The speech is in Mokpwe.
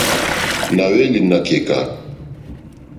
Na hweli na keka.